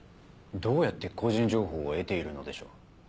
どうやって個人情報を得ているのでしょう。